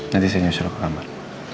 nanti saya nyusul ke kamar